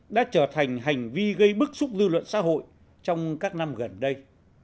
đã trở thành hành vi gây bức xúc dư luận xã hội trong các năm gần đây